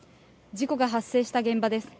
事故が発生した現場です。